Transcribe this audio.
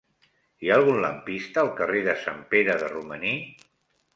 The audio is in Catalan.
Hi ha algun lampista al carrer de Sant Pere de Romaní?